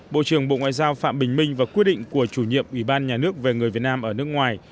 bộ trưởng bộ ngoại giao phạm bình minh và quyết định của chủ nhiệm ủy ban nhà nước về người việt nam ở nước ngoài